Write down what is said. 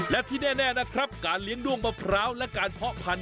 และที่แน่นะครับการเลี้ยงด้วงมะพร้าวและการเพาะพันธ